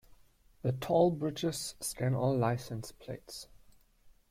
The toll bridges scan all license plates.